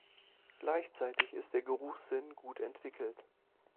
Gleichzeitig ist der Geruchssinn gut entwickelt.